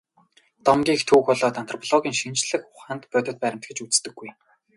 Домгийг түүх болоод антропологийн шинжлэх ухаанд бодит баримт гэж үздэггүй.